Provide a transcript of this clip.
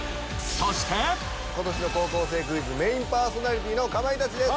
この夏今年の『高校生クイズ』メインパーソナリティーのかまいたちです。